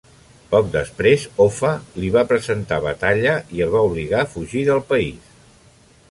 Poc després Offa li va presentar batalla i el va obligar a fugir del país.